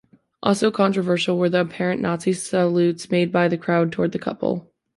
Also controversial were the apparent Nazi salutes made by the crowd toward the couple.